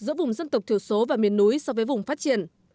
giữa vùng dân tộc thiểu số và miền núi so với vùng phát triển